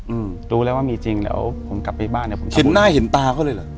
อืมรู้แล้วว่ามีจริงแล้วผมกลับไปบ้านเนี้ยผมเห็นหน้าเห็นตาเขาเลยเหรอ